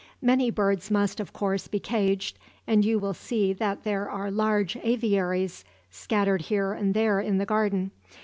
"Many birds must, of course, be caged, and you will see that there are large aviaries scattered here and there in the garden.